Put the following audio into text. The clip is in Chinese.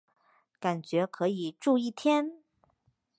感觉可以住一天